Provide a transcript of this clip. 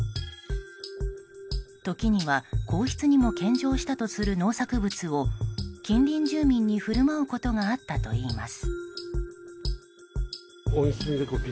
時には皇室にも献上したとする農作物を近隣住民に振る舞うことがあったといいます。